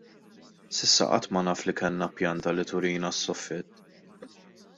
S'issa qatt ma naf li kellna pjanta li turina s-soffitt.